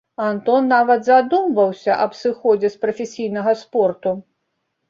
Антон нават задумваўся аб сыходзе з прафесійнага спорту.